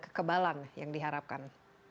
kekebalan yang diharapkan